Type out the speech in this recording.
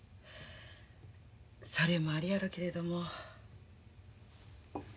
それもあるやろけれども。